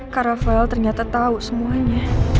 kak rafael ternyata tahu semuanya